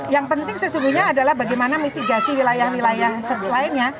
yang penting sesungguhnya adalah bagaimana mitigasi wilayah wilayah lainnya